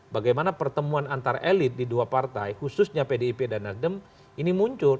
bagaimana pertemuan antar elit di dua partai khususnya pdip dan nasdem ini muncul